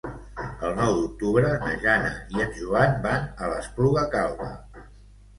El nou d'octubre na Jana i en Joan van a l'Espluga Calba.